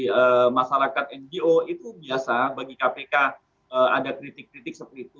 dari masyarakat ngo itu biasa bagi kpk ada kritik kritik seperti itu